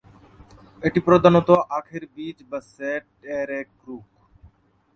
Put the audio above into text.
এটি প্রধানত আখের বীজ বা সেট-এর এক রোগ।